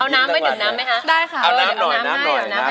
เอาน้ำไปถึงน้ำไหมฮะเอาน้ำให้หน่อยหน่อยหน้าหน้าหน้าขอพ่อขอโคนะคุณพ่อ